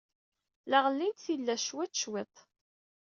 La d-ɣellint tillas cwiṭ, cwiṭ.